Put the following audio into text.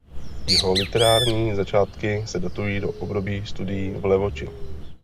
Jeho literární začátky se datují do období studií v Levoči.